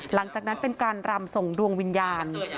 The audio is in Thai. หลังจากนั้นเป็นการรำส่งดวงวิญญาณ